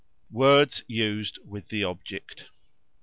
WORDS USED WITH THE OBJECT.